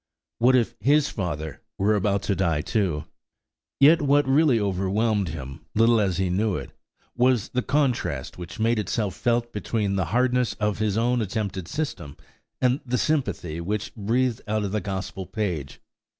What if his father were about to die too? Yet, what really overwhelmed him, little as he knew it, was the contrast which made itself felt between the hardness of his own attempted system and the sympathy which breathed out of the Gospel page.